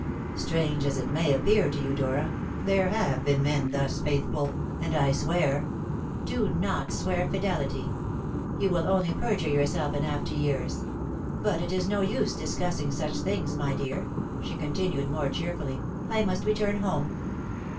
"Strange as it may appear to you, Dora, there have been men thus faithful, and I swear " "Do not swear fidelity. You will only perjure yourself in after years. But it is no use discussing such things, my dear," she continued more cheerfully. "I must return home."